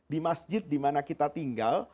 di masjid dimana kita tinggal